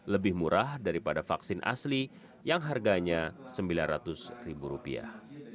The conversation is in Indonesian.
lebih murah daripada vaksin asli yang harganya sembilan ratus ribu rupiah